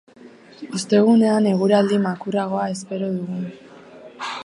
Ostegunean eguraldi makurragoa espero dugu.